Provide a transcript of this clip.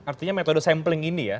artinya metode sampling ini ya